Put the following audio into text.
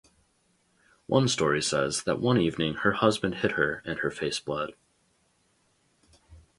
One story says that one evening her husband hit her and her face bled.